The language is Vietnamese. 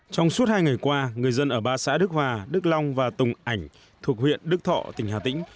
trong suốt hai ngày qua người dân ở ba xã đức hòa đức long và tùng ảnh thuộc huyện đức thọ tỉnh hà tĩnh